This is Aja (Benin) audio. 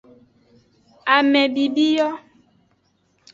Ame bibi yo.